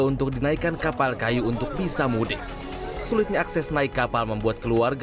untuk dinaikkan kapal kayu untuk bisa mudik sulitnya akses naik kapal membuat keluarga